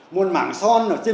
một mảng son ở trên một cái nền